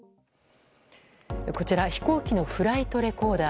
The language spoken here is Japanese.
こちら、飛行機のフライトレコーダー。